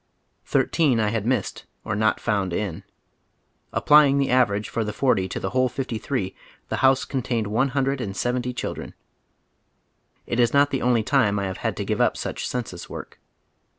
Thirteen I had missed, or not found in. Applying the average for the forty to the whole iifty three, the house contained one hundred and seventy children. It is not the only time I have had to give up such census work.